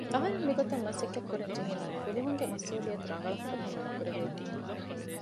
އަހަރެން މިގޮތަށް މަސައްކަތް ކުރަން ޖެހެނީ ފުލުހުންގެ މަސްއޫލިއްޔަތު ރަނގަޅަށް ފުރިހަމަ ނުކުރެވޭތީ